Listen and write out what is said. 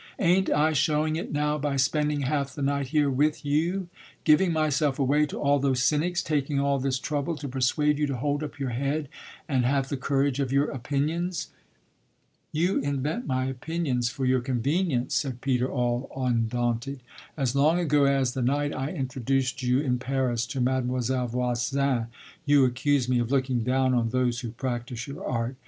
Ain't I showing it now by spending half the night here with you giving myself away to all those cynics taking all this trouble to persuade you to hold up your head and have the courage of your opinions?" "You invent my opinions for your convenience," said Peter all undaunted. "As long ago as the night I introduced you, in Paris, to Mademoiselle Voisin, you accused me of looking down on those who practise your art.